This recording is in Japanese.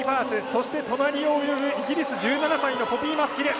そして、隣を泳ぐイギリス、１７歳のポピー・マスキル。